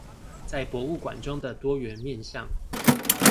在博物館中的多元面向